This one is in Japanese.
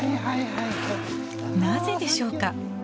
なぜでしょうか。